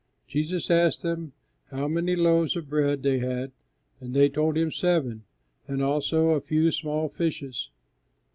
Jesus asked them how many loaves of bread they had, and they told Him seven, and also a few small fishes.